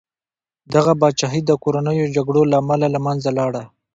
دغه پاچاهي د کورنیو جګړو له امله له منځه لاړه.